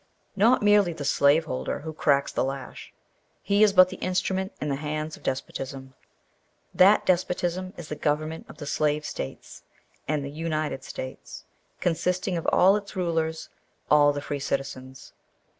Not merely the slaveholder who cracks the lash. He is but the instrument in the hands of despotism. That despotism is the government of the Slave States, and the United States, consisting of all its rulers all the free citizens.